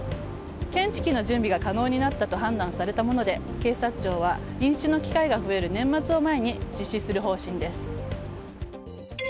検知器の準備が可能になったと判断されたもので警察庁は飲酒の機会が増える年末を前に実施する方針です。